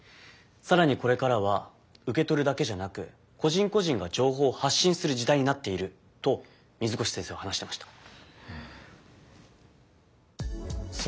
さらにこれからは受け取るだけじゃなくこ人こ人が情報を発信する時代になっていると水越先生は話してました。